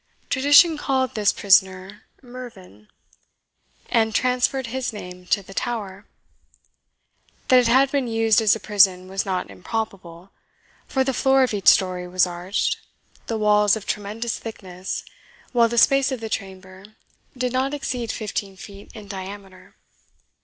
Tradition called this prisoner Mervyn, and transferred his name to the tower. That it had been used as a prison was not improbable; for the floor of each story was arched, the walls of tremendous thickness, while the space of the chamber did not exceed fifteen feet in diameter.